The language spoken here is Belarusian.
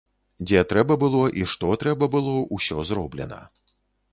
Дзе трэба было і што трэба было, усё зроблена.